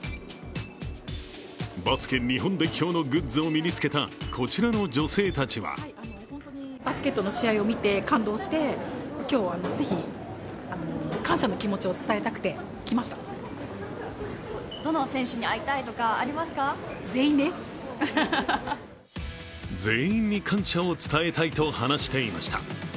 バスケ日本代表のグッズを身に着けたこちらの女性たちは全員に感謝を伝えたいと話していました。